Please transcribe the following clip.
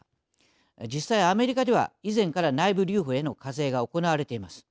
実際アメリカでは以前から内部留保への課税が行われています。